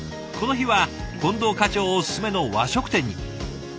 この日は近藤課長おすすめの和食店に。